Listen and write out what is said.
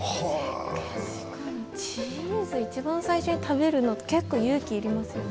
しかもチーズ一番最初に食べるのって結構勇気いりますよね。